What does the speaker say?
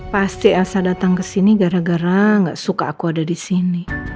pasti elsa datang kesini gara gara gak suka aku ada disini